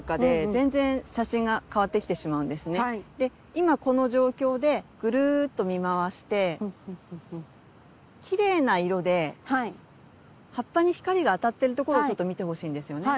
今この状況でぐるっと見回してきれいな色で葉っぱに光があたってるところをちょっと見てほしいんですよね。